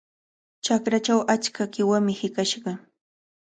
Chakrachaw achka qiwami hiqashqa.